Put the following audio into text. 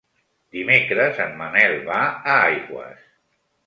Dimecres en Manel va a Aigües.